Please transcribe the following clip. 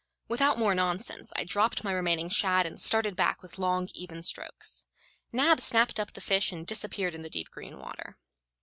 Without more nonsense, I dropped my remaining shad and started back with long, even strokes. Nab snapped up the fish and disappeared in the deep green water.